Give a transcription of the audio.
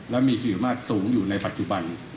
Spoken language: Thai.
และมีคิดความสามารถสูงอยู่ในปัจจุบัน